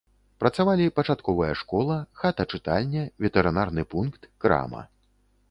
Працавалі пачатковая школа, хата-чытальня, ветэрынарны пункт, крама.